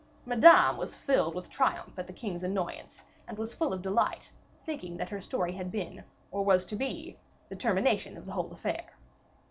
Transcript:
Madame was filled with triumph at the king's annoyance; and was full of delight, thinking that her story had been, or was to be, the termination of the whole affair.